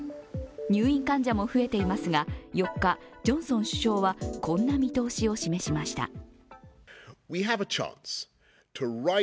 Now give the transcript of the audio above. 入院患者も増えていますが４日、ジョンソン首相はこんな見通しを示しました。